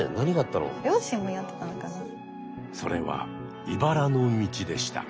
それはいばらの道でした。